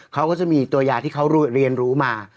เขาก็จะมีตัวยาที่เขาเรียนรู้มา